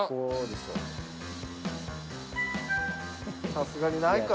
さすがにないか。